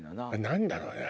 何だろうね？